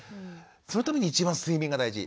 そのために一番睡眠が大事。